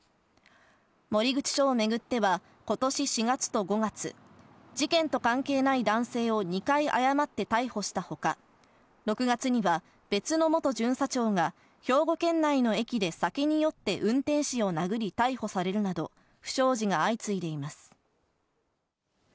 守口署を巡っては、ことし４月と５月、事件と関係ない男性を２回誤って逮捕した他、６月には別の元巡査長が兵庫県内の駅で酒によって運転士を殴り逮捕されるなど、不祥事が相次いでいます。